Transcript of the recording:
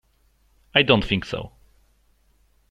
I don't think so.